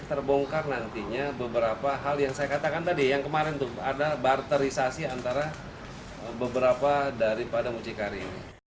mereka berpengalaman dengan penangkapan dan penangkapan